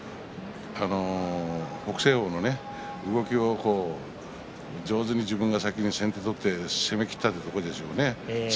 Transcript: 北青鵬の動きを上手に自分が先に先手を取って攻めきったというところでしょうね。